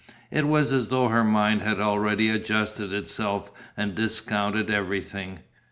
It was as though her mind had already adjusted itself and discounted everything.